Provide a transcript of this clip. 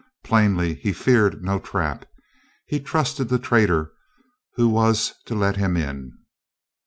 Plainly he feared no trap. He trusted the traitor who was to let him in.